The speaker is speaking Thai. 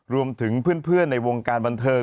รวมถึงเพื่อนในวงการบันเทิง